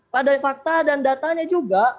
pada fakta dan datanya juga